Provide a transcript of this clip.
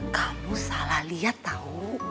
kamu salah liat tau